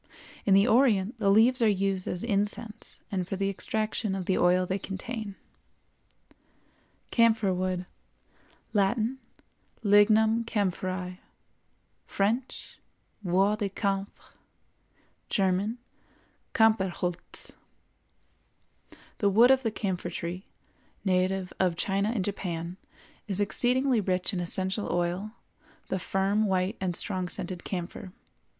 In the Orient the leaves are used as incense and for the extraction of the oil they contain. CAMPHOR WOOD. Latin—Lignum Camphoræ; French—Bois de camphre; German—Campherholz. The wood of the Camphor tree, native of China and Japan, is exceedingly rich in essential oil, the firm, white, and strong scented camphor.